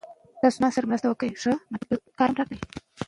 سالمه تغذیه د ټولنې پرمختګ تضمینوي.